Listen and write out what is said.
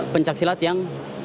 pencak silat yang